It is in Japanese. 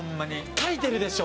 書いてるでしょ。